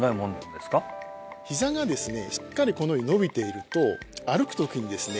しっかりこのように伸びていると歩く時にですね